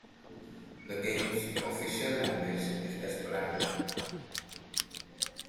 The game's "official language" is Esperanto.